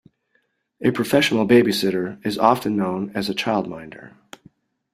A professional babysitter is often known as a childminder